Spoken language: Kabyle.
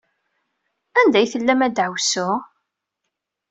Anda ay tellam a ddeɛwessu?